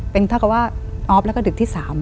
เป็นทักว่าอฟและแล้วก็ดึกที่๓